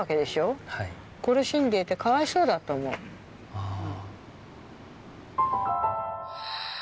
ああ。